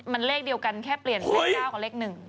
มันเลขเดียวกันแค่เปลี่ยนเลข๙กับเลข๑